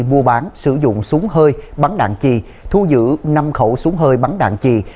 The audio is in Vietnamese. mua bán sử dụng súng hơi bắn đạn chì thu giữ năm khẩu súng hơi bắn đạn chì